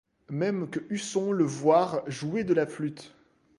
Même que Husson le Voir jouait de la flûte!